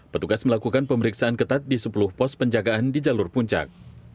petugas melakukan pemeriksaan ketat di sepuluh pos penjagaan di jalur puncak